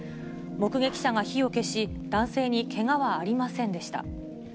目撃者が火を消し、男性にけがはありませんでした。